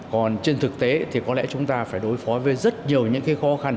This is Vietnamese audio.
còn trên thực tế thì có lẽ chúng ta phải đối phó với rất nhiều những cái khó khăn